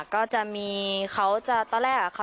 ก็จะมีเขาต้อแรกอ่ะ